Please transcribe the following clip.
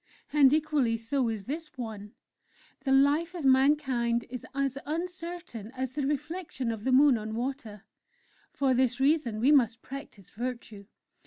And equally so is this one: '_The life of mankind is as uncertain as the reflection of the Moon on water; for this reason we must practise Virtue!